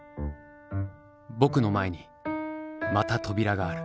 僕の前にまた扉がある。